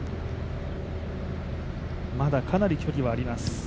まだかなり距離はあります。